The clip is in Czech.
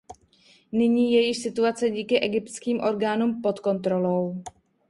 Nyní je již situace díky egyptským orgánům pod kontrolou.